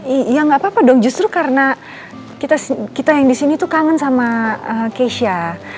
iya gak apa apa dong justru karena kita yang disini tuh kangen sama keisha